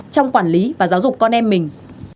trong quản lý và giáo dục con em mình